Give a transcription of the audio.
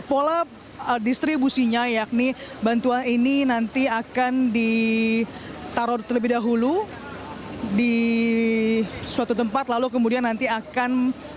pola distribusinya yakni bantuan ini nanti akan ditaruh terlebih dahulu di suatu tempat lalu kemudian nanti akan